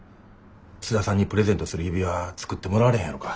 津田さんにプレゼントする指輪作ってもらわれへんやろか。